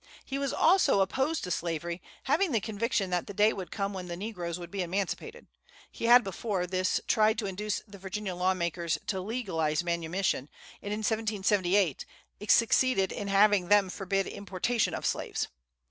He was also opposed to slavery, having the conviction that the day would come when the negroes would be emancipated. He had before this tried to induce the Virginia law makers to legalize manumission, and in 1778 succeeded in having them forbid importation of slaves.